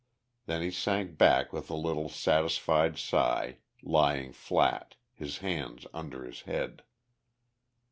Then he sank back with a little satisfied sigh, lying flat, his hands under his head.